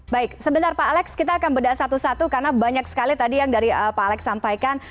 baik sebentar pak alex kita akan bedah satu satu karena banyak sekali tadi yang dari pak alex sampaikan